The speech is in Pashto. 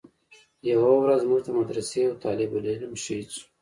يوه ورځ زموږ د مدرسې يو طالب العلم شهيد سو.